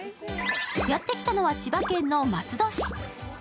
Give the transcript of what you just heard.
やってきたのは千葉県の松戸市。